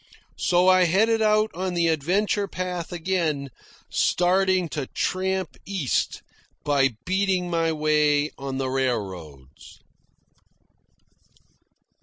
So I headed out on the adventure path again, starting to tramp East by beating my way on the railroads.